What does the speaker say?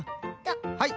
はい。